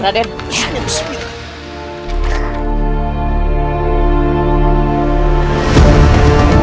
ayo kita ke rumahnya sendiri